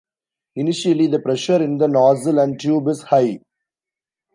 Initially, the pressure in the nozzle and tube is high.